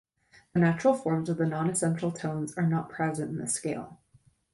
The natural forms of the non-essential tones are not present in the scale.